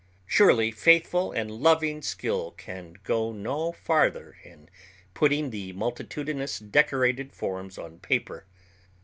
Surely faithful and loving skill can go no farther in putting the multitudinous decorated forms on paper.